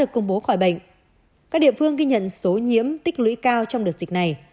các địa phương ghi nhận số nhiễm tích lũy cao trong đợt dịch này